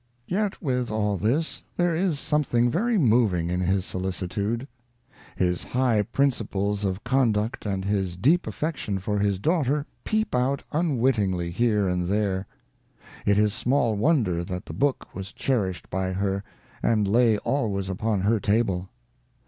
Yet, with all this, there is something very moving in his solicitude. His high principles of conduct and his deep affection for his daughter peep out unwittingly here and there. It is small wonder that the book was cherished by her, and lay always upon her table.